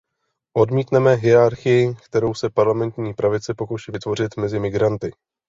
Odmítáme hierarchii, kterou se parlamentní pravice pokouší vytvořit mezi migranty.